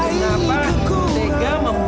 saya kan pun tersumpah impi dengan pak